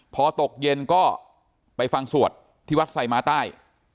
พอตกเย็นก็ไปฟังสวดที่วัดไซม้าใต้